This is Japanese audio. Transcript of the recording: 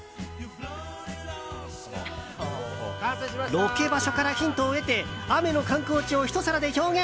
ロケ場所からヒントを得て雨の観光地をひと皿で表現。